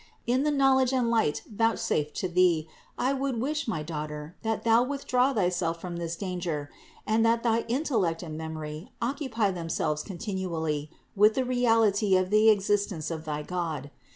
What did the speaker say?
In the knowledge and light vouchsafed to thee I would wish, my daughter, that thou withdraw thyself from this danger, and that thy intellect and memory occupy themselves continually with the reality of the ex istence of thy God.